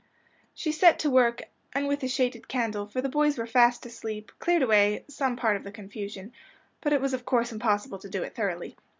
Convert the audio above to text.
She set to work, and with a shaded candle, for the boys were fast asleep, cleared away some part of the confusion. But it was of course impossible to do it thoroughly.